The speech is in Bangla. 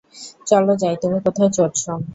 চলো যাই -তুমি কোথায় চড়ছো?